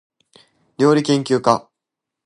りょうりけんきゅうか